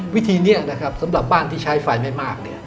วิธีนี้นะครับสำหรับบ้านที่ใช้ไฟไม่มาก